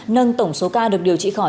nâng tổng số ca được điều trị khỏi